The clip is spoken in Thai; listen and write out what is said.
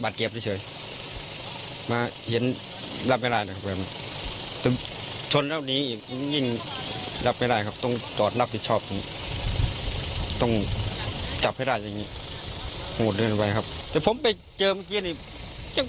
ตรงนี้แตกตาบวมเฉย